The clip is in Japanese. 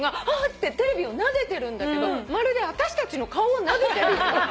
ってテレビをなでてるんだけどまるであたしたちの顔をなでてるように。